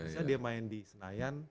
misalnya dia main di senayan